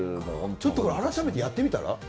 ちょっと改めてやってみたら？